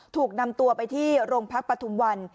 ถูกนำตัวไปที่โรงพักปฐุมวัน